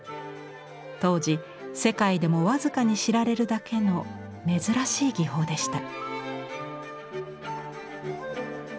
当時世界でも僅かに知られるだけの珍しい技法でした。